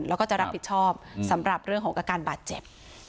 แล้วก็จะรับผิดชอบสำหรับเรื่องของอาการบาดเจ็บ